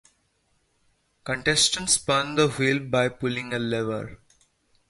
Contestants spun the wheel by pulling a lever.